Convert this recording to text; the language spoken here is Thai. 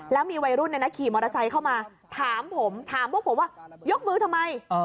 แล้วมีวัยรุ่นขี่มอเตอร์ไซค์เข้ามาถามผมถามพวกผมว่ายกมือทำไม